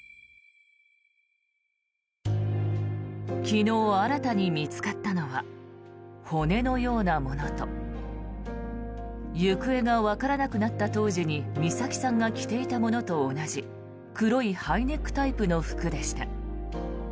昨日、新たに見つかったのは骨のようなものと行方がわからなくなった当時に美咲さんが着ていたものと同じ黒いハイネックタイプの服でした。